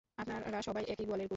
আপনারা সবাই একই গোয়ালের গরু!